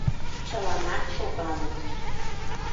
Чыланат шогалыт.